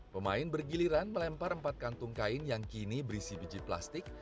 pemain bergiliran melempar empat kantung kain yang kini berisi biji plastik